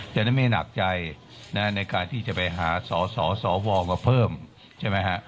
แต่นั้นไม่หนักใจนะในการที่จะไปหาสอสอสอวองกว่าเพิ่มใช่ไหมฮะ